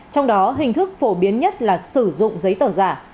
trong đó hình thức phổ biến nhất là sử dụng giấy tờ giả